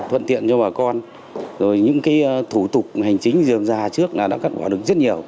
thuận tiện cho bà con rồi những cái thủ tục hành chính dường ra trước là nó cắt bỏ được rất nhiều